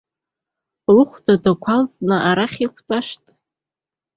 Лыхәда адақәа алҵны арахь иқәтәашт.